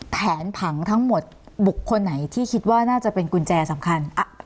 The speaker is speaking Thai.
แผนผังทั้งหมดบุคคลไหนที่คิดว่าน่าจะเป็นกุญแจสำคัญ